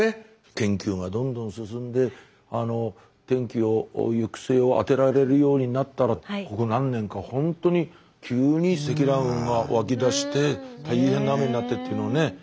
天気予報がどんどん進んで天気を行く末を当てられるようになったらここ何年かほんとに急に積乱雲が湧きだして大変な雨になってっていうのをね。